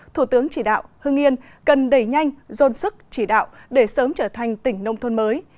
thủ tướng chỉ đạo hưng yên cần đẩy nhanh dồn sức chỉ đạo để sớm trở thành tỉnh nông thôn mới